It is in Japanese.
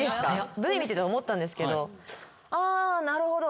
Ｖ見てて思ったんですけど「あなるほど」